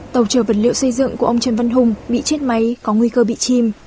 tàu chở vật liệu xây dựng của ông trần văn hùng bị chết máy có nguy cơ bị chim